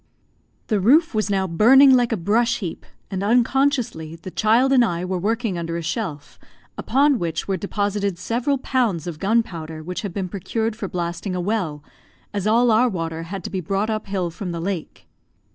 The roof was now burning like a brush heap, and, unconsciously, the child and I were working under a shelf, upon which were deposited several pounds of gunpowder which had been procured for blasting a well, as all our water had to be brought up hill from the lake.